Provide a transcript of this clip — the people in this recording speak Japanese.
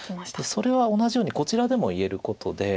それは同じようにこちらでも言えることで。